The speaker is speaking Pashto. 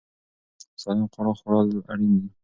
سالم خواړه خوړل اړین دي.